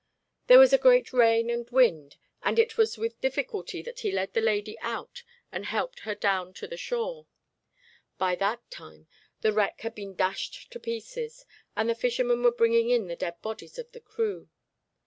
There was a great rain and wind, and it was with difficulty that he led the lady out and helped her down to the shore. By that time the wreck had been dashed to pieces, and the fishermen were bringing in the dead bodies of the crew.